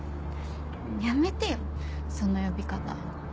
やめてよその呼び方。